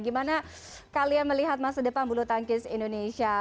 gimana kalian melihat masa depan bulu tangkis indonesia